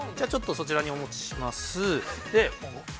ちょっとそちらにお持ちします。